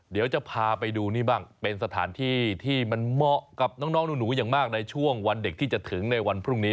เดี๋ยวจะพาไปดูนี่บ้างเป็นสถานที่ที่มันเหมาะกับน้องหนูอย่างมากในช่วงวันเด็กที่จะถึงในวันพรุ่งนี้